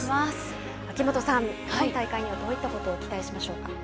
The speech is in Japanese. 秋元さん、今大会にはどういったことを期待していますでしょうか。